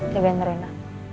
jangan bandel rena